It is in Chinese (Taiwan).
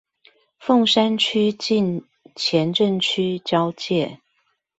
鳳山區近前鎮區交界